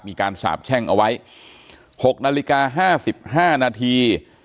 สาบแช่งเอาไว้๖นาฬิกา๕๕นาที